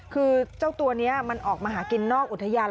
คือเจ้าตัวนี้มันออกมาหากินนอกอุทยาน